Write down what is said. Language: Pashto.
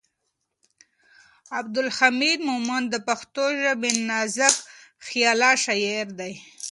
عبدالحمید مومند د پښتو ژبې نازکخیاله شاعر دی.